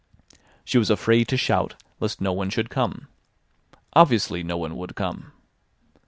She was afraid to shout lest no one should come. Obviously no one would come.